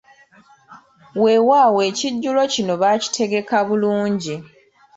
Weewaawo ekijjulo kino baakitegekka bulungi.